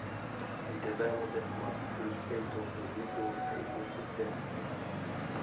A development must prove fatal to regal and papal pretensions.